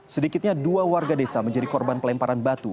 sedikitnya dua warga desa menjadi korban pelemparan batu